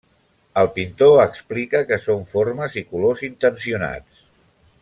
El pintor explica que són formes i colors intencionats.